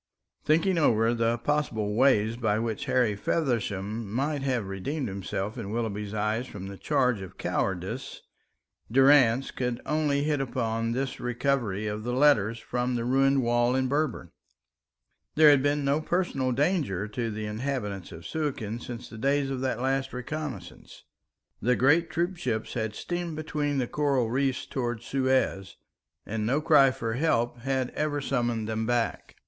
Thinking over the possible way by which Harry Feversham might have redeemed himself in Willoughby's eyes from the charge of cowardice, Durrance could only hit upon this recovery of the letters from the ruined wall in Berber. There had been no personal danger to the inhabitants of Suakin since the days of that last reconnaissance. The great troop ships had steamed between the coral reefs towards Suez, and no cry for help had ever summoned them back.